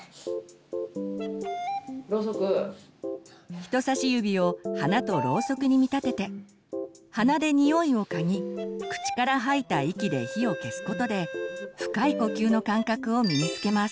人さし指を花とろうそくに見立てて鼻で匂いをかぎ口から吐いた息で火を消すことで深い呼吸の感覚を身につけます。